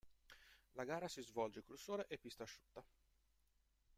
La gara si svolge col sole e pista asciutta.